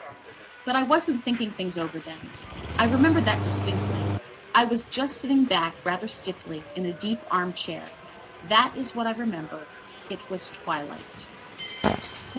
But I wasn't thinking things over then. I remember that distinctly. I was just sitting back, rather stiffly, in a deep arm chair. That is what I remember. It was twilight.